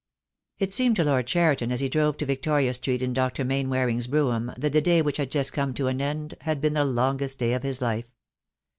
It seemed to Lord Cheriton as he drove to Victoria Street in Dr. Mainwaring's brougham, that the day which had just come to an end had been the longest day of his life.